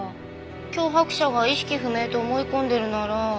脅迫者が意識不明と思い込んでるなら。